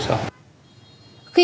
khi có lực lượng